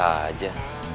ayah bisa saja